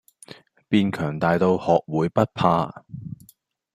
變強大到學會不怕